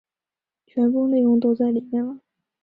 全部内容都在里面了